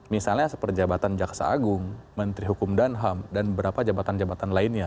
misalnya seperjabatan jaksa agung menteri hukum dan ham dan beberapa jabatan jabatan lainnya